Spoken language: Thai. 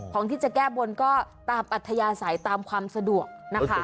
ของที่จะแก้บนก็ตามอัธยาศัยตามความสะดวกนะคะ